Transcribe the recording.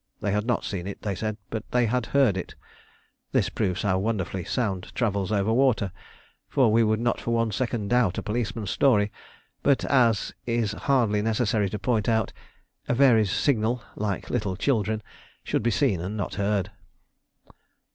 They had not seen it, they said, but had heard it. This proves how wonderfully sound travels over water, for we would not for one second doubt a policeman's story. But, as is hardly necessary to point out, a Very's signal, like little children, should be seen and not heard.